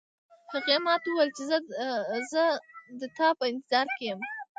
هغې ما ته وویل چې زه د تا په انتظار کې یم